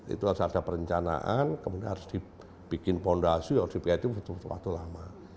itu harus ada perencanaan kemudian harus dibikin fondasi harus dipi itu butuh waktu lama